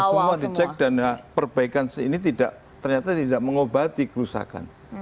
semua dicek dan perbaikan ini tidak ternyata tidak mengobati kerusakan